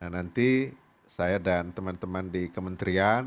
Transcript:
nanti saya dan teman teman di kementerian